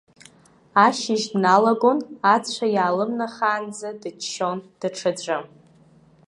Ашьыжь дналагон, ацәа иаалымнахаанӡа дыччон, даҽаӡәы.